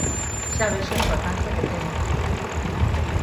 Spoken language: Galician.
Xa vexo a importancia que ten.